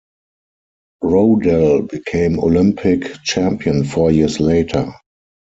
Rodal became Olympic champion four years later.